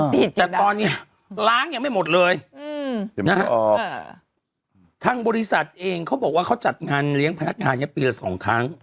อ๋ออ๋อแต่ตอนนี้ล้างยังไม่หมดเลยอืมนะฮะเออทางบริษัทเองเขาบอกว่าเขาจัดงานเลี้ยงพนักงานอย่างปีละสองทั้ง